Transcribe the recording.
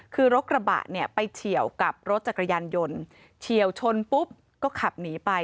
คือรถกระบะเนี่ยไปเฉียวกับรถจักรยานยนต์เฉียวชนปุ๊บก็ขับหนีไป